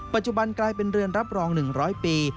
ปัจจุบันกลายเป็นเรือนรับรอง๑๐๐ปี